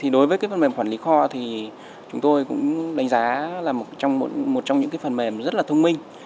đối với phần mềm quản lý kho thì chúng tôi cũng đánh giá là một trong những phần mềm rất là thông minh